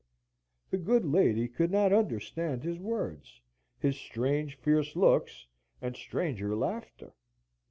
The good lady could not understand his words, his strange, fierce looks, and stranger laughter.